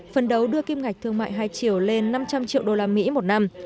phần đấu đưa kim ngạch thương mại hai triệu lên năm trăm linh triệu đô la mỹ một năm